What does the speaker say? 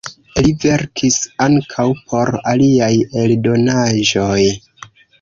Li verkis ankaŭ por aliaj eldonaĵoj.